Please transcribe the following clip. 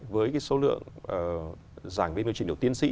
với số lượng giảng viên trình độ tiến sĩ